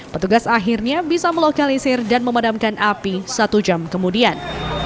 petugas akhirnya bisa melokalisir dan memadamkan api satu jam kemudian